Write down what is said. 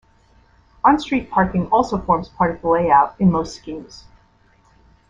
On-street parking also forms part of the layout in most schemes.